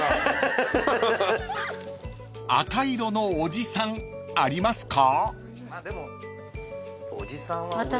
［赤色のおじさんありますか？］